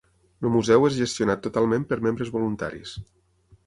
El museu és gestionat totalment per membres voluntaris.